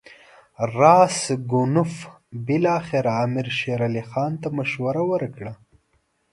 راسګونوف بالاخره امیر شېر علي خان ته مشوره ورکړه.